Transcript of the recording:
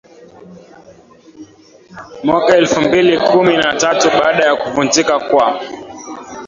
mwaka elfu mbili kumi na tatu baada ya kuvunjika kwa